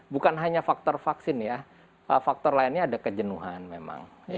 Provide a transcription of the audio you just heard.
bukan hanya faktor vaksin ya faktor lainnya ada kejenuhan memang